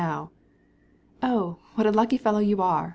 "Oh, what a lucky fellow you are!"